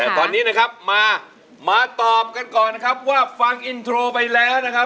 แต่ตอนนี้นะครับมาตอบกันก่อนนะครับว่าฟังอินโทรไปแล้วนะครับ